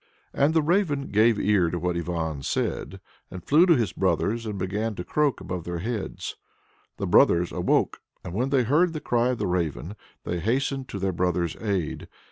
And the Raven gave ear to what Ivan said, and flew to his brothers and began to croak above their heads. The brothers awoke, and when they heard the cry of the Raven, they hastened to their brother's aid.